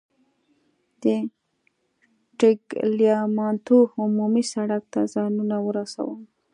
د ټګلیامنتو عمومي سړک ته ځانونه ورسوو.